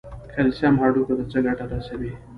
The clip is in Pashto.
کلسیم هډوکو ته څه ګټه رسوي؟